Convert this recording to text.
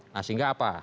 nah sehingga apa